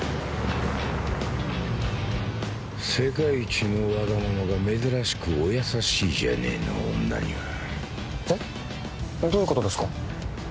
世界一のワガママが珍しくお優しいじゃねえの女にはえっどういうことですか？